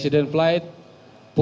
sibuk dengan tugas mereka sendiri